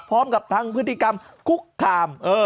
พร้อมกับทั้งพฤติกรรมคุกคาม